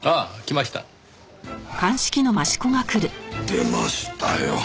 出ましたよ。